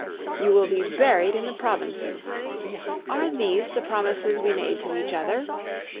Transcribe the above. You will be buried in the provinces. Are these the promises we made each other?